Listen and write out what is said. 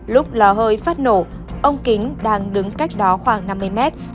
lúc lò hơi phát nổ ông kính đang đứng cách đó khoảng năm mươi m bị áp lực từ sau đẩy tới đổ gục